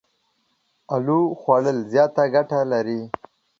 الو خوړ ل زياته ګټه لري.